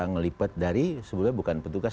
ngelipet dari sebenarnya bukan petugas